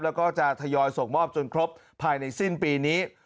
แล้วก็จะทยอยส่งมอบจนครบภายในสิ้นปีนี้